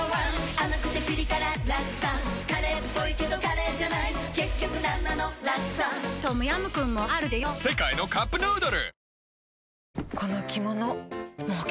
甘くてピリ辛ラクサカレーっぽいけどカレーじゃない結局なんなのラクサトムヤムクンもあるでヨ世界のカップヌードル